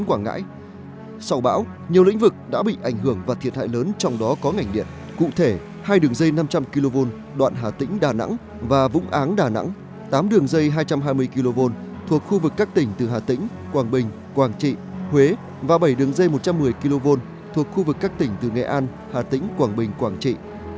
quảng trị huế và bảy đường dây một trăm một mươi kv thuộc khu vực các tỉnh từ nghệ an hà tĩnh quảng bình quảng trị